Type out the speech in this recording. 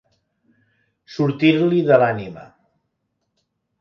Sortir-li de l'ànima.